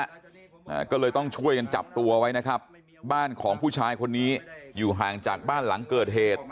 อ่าก็เลยต้องช่วยกันจับตัวไว้นะครับบ้านของผู้ชายคนนี้อยู่ห่างจากบ้านหลังเกิดเหตุ